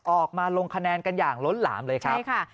ออกมาลงคะแนนกันอย่างล้นหลามเลยครับใช่ค่ะ